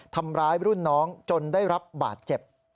ทำร้ายรุ่นน้องจนได้รับบาดเจ็บ